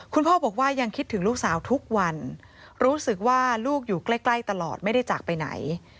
คุณพ่อบอกว่ายังคิดถึงลูกสาวทุกวันรู้สึกว่าลูกอยู่ใกล้ตลอดไม่ได้จากไปไหน